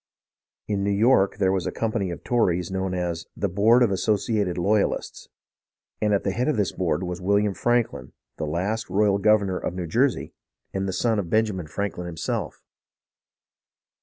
In New York there was a company of Tories known as "The Board of Associated Loyalists," and at the head of this board was William Franklin, the last royal governor of New Jersey and the son of Benjamin SUFFERINGS OF THE COMMON PEOPLE 267 Franklin himself.